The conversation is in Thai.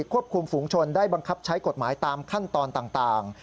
ควบคุมฝูงชนได้บังคับใช้กฎหมายตามขั้นตอนต่าง